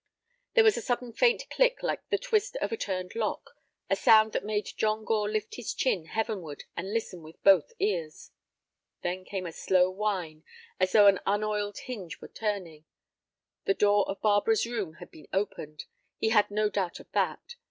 There was a sudden faint click like the twist of a turned lock, a sound that made John Gore lift his chin heavenward and listen with both his ears. Then came a slow whine, as though an unoiled hinge were turning. The door of Barbara's room had been opened; he had no doubt of that.